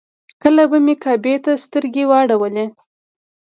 کله به مې کعبې ته سترګې واړولې.